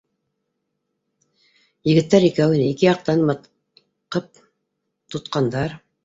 Егеттәр икәү ине, ике яҡтан матҡып тотҡандар